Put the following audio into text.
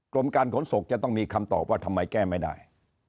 กรมการขนส่งจะต้องมีคำตอบว่าทำไมแก้ไม่ได้